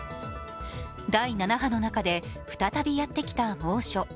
第７波の中で再びやってきた猛暑。